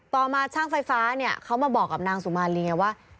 มาช่างไฟฟ้าเนี่ยเขามาบอกกับนางสุมารีไงว่า